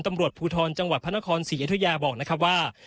ตำรวจภูทรจังหวัดพระนครศรีอยุธยาบอกนะครับว่า